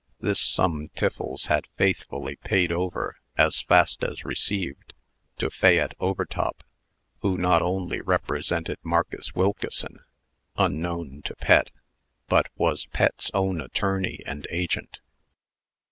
This sum Tiffles had faithfully paid over, as fast as received, to Fayette Overtop, who not only represented Marcus Wilkeson (unknown to Pet), but was Pet's own attorney and agent.